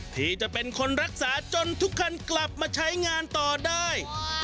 ที่จะเป็นคนรักษาจนทุกคันกลับมาใช้งานต่อได้